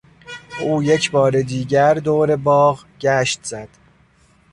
او یک بار دیگر دور باغ گشت زد.